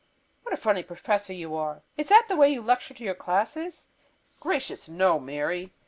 "What a funny professor you are! Is that the way you lecture to your classes?" "Gracious, no, Mary!